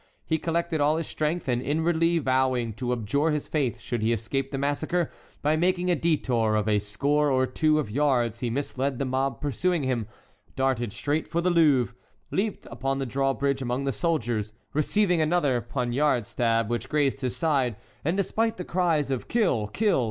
He collected all his strength, and inwardly vowing to abjure his faith should he escape the massacre, by making a detour of a score or two of yards he misled the mob pursuing him, darted straight for the Louvre, leaped upon the drawbridge among the soldiers, received another poniard stab which grazed his side, and despite the cries of "Kill—kill!"